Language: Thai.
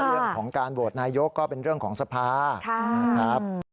เรื่องของการโหดนายกก็เป็นเรื่องของสภา